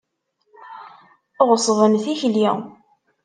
Ɣeṣben tikli.